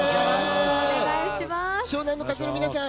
湘南乃風の皆さん